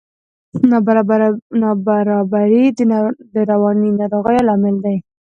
نابرابري د رواني ناروغیو لامل ده.